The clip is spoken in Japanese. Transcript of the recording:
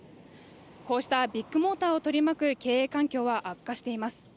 こうしたビッグモーターを取り巻く経営環境は悪化しています。